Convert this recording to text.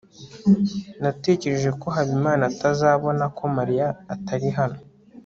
natekereje ko habimana atazabona ko mariya atari hano